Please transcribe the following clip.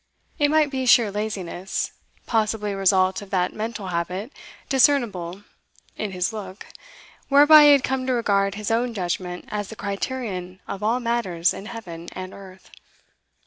It might be sheer laziness, possibly a result of that mental habit, discernible In his look, whereby he had come to regard his own judgment as the criterion of all matters in heaven and earth.